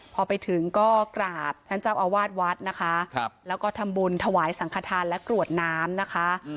พอไปถึงก็กราบท่านเจ้าอาวาสวัดนะคะแล้วก็ทำบุญถวายสังขทานและกรวดน้ำนะคะ